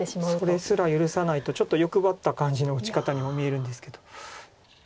それすら許さないとちょっと欲張った感じの打ち方にも見えるんですけど。